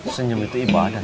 senyum itu ibadah